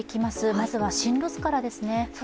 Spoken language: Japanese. まずは進路図からですね。